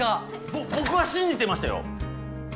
ぼ僕は信じてましたよ。